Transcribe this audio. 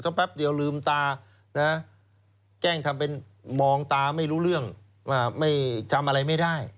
แป๊บเดียวลืมตานะแกล้งทำเป็นมองตาไม่รู้เรื่องว่าไม่ทำอะไรไม่ได้